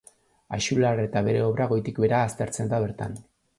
Axular eta bere obra goitik behera aztertzen da bertan.